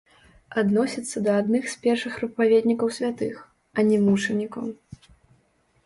Адносіцца да адных з першых прапаведнікаў святых, а не мучанікаў.